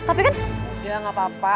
tua pierwsze ini karena kondisi laporan